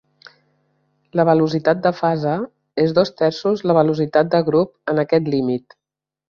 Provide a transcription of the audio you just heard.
La velocitat de fase és dos terços la velocitat de grup en aquest límit.